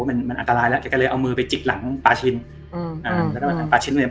มันอันตรายแล้วแกก็เลยเอามือไปจิบหลังปาชินอืมอืมแล้วก็ปาชิน